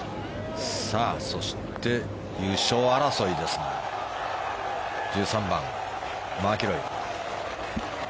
さあ、そして優勝争いですが１３番、マキロイ。